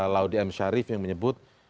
laudy m syarif yang menyebut